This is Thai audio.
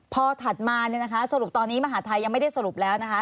พอถัดมาสรุปตอนนี้มหาธัยยังไม่ได้สรุปแล้วนะคะ